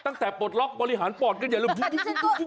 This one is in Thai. ตั้งแต่ปลดล็อคบริหารปอดกันอย่าลืม